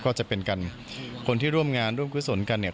ก็จะเป็นกันคนที่ร่วมงานร่วมกุศลกันเนี่ย